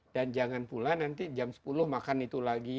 dan jangan pula nanti jam sepuluh makan itu lagi